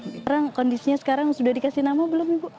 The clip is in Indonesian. sekarang kondisinya sekarang sudah dikasih nama belum ibu